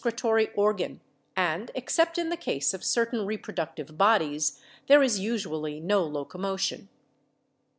cial excretory organ, and, except in the case of certain re productive bodies, there is usually no locomotion."